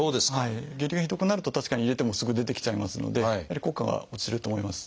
下痢がひどくなると確かに入れてもすぐ出てきちゃいますのでやはり効果が落ちると思います。